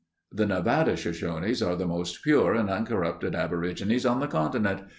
"The Nevada Shoshones are the most pure and uncorrupted aborigines on the continent ...